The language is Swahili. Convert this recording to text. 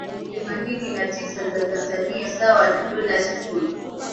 shilingi mia mbili themanini na tisa za Tanzania sawa na dola sufuri